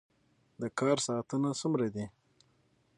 د کار ساعتونه څومره دي؟